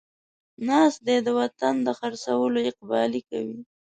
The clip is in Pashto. ناست دی د وطن د خر څولو اقبالې کوي